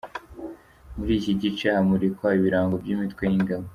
Muri iki gice hamurikwa ibirango by’imitwe y’ingabo.